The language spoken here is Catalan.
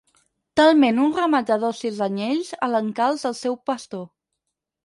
Talment un ramat de dòcils anyells a l'encalç del seu pastor.